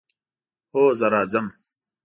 هو، زه راځم